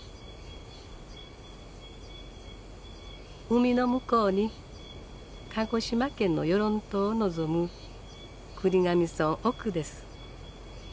海の向こうに鹿児島県の与論島を望む国頭村奥です。